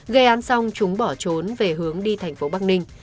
gây án xong chúng bỏ trốn về hướng đi thành phố bắc ninh